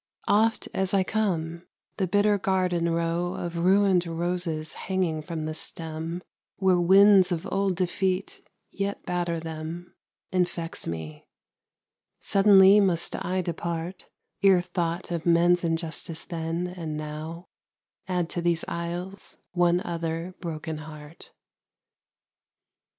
Oft as I come, the bitter garden row Of ruined roses hanging from the stem, Where winds of old defeat yet batter them, Infects me: suddenly must I depart, Ere thought of men's injustice then, and now, Add to these aisles one other broken heart.